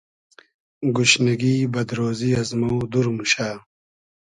گوشنیگی ، بئد رۉزی از مۉ دور موشۂ